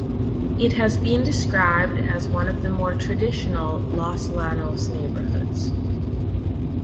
It has been described as one of the more traditional Los Llanos neighbourhoods.